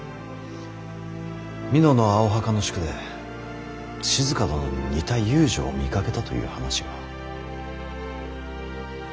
美濃の青墓宿で静殿に似た遊女を見かけたという話が。